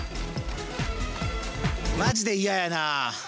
マジで嫌やな。